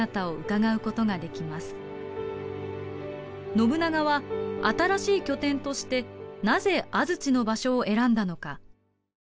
信長は新しい拠点としてなぜ安土の場所を選んだのか？